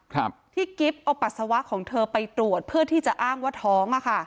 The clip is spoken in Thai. ครับที่กิ๊บเอาปัสสาวะของเธอไปตรวจเพื่อที่จะอ้างว่าท้องอ่ะค่ะ